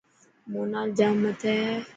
مونال ڄام مٿي هي.